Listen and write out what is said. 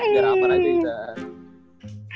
biar aman aja kita